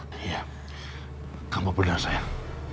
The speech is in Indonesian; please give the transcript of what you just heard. iya kamu benar sayang